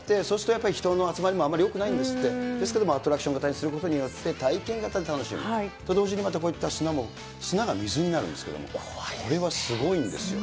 でも人の集まりもあんまりよくないんですって、ですけど、アトラクションにすることによって体験型で楽しむ、同時に砂が水になるんですけれども、これがすごいんですよ。